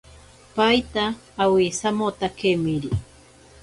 Paita awisamotakemiri.